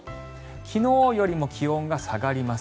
昨日よりも気温が下がります。